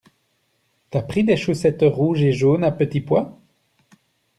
T'as pris des chaussettes rouges et jaunes à petits pois?